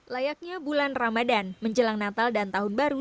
layaknya bulan ramadan menjelang natal dan tahun baru